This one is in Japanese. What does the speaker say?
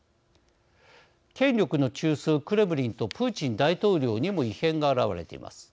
権力の中枢クレムリンとプーチン大統領にも異変が表れています。